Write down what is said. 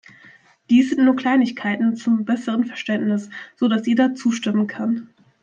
Dies sind nur Kleinigkeiten zum besseren Verständnis, so dass jeder zustimmen kann.